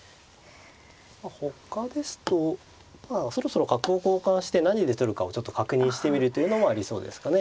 ほかですとそろそろ角を交換して何で取るかをちょっと確認してみるというのもありそうですかね。